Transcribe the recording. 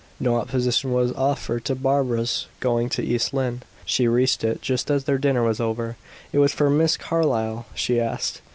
No opposition was offered to Barbara's going to East Lynne. She reached it just as their dinner was over. It was for Miss Carlyle she asked.